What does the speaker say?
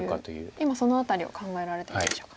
今そのあたりを考えられているんでしょうか。